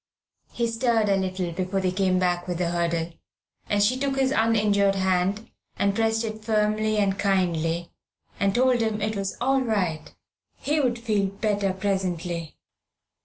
He stirred a little before they came back with the hurdle, and she took his uninjured hand, and pressed it firmly and kindly, and told him it was "all right," he would feel better presently.